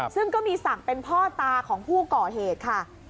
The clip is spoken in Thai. ซึ่งก็มีศักดิ์เป็นพ่อตาของผู้ก่อเหตุค่ะ